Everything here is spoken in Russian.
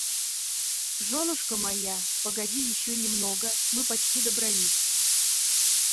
Жёнушка моя, погоди ещё немного, мы почти добрались.